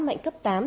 mạnh cấp tám